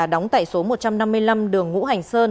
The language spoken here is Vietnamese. đóng tại số một trăm năm mươi năm đường ngũ hành sơn